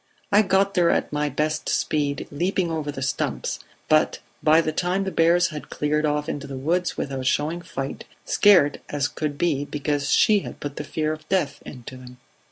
I got there at my best speed, leaping over the stumps; but by that time the bears had cleared off into the woods without showing fight, scared as could be, because she had put the fear of death into them."